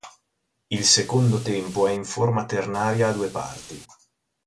Il secondo tempo è in forma ternaria a due parti.